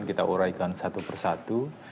kita uraikan satu per satu